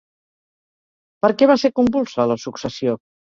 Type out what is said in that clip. Per què va ser convulsa la successió?